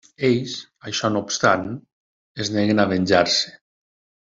Ells, això no obstant, es neguen a venjar-se.